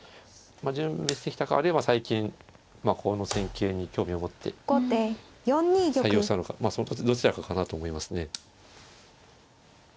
準備してきたかあるいは最近この戦型に興味を持って採用したのかそのどちらかかなと思いますね。